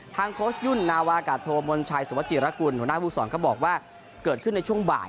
โค้ชยุ่นนาวากาโทมนชัยสุวจิรกุลหัวหน้าผู้สอนก็บอกว่าเกิดขึ้นในช่วงบ่าย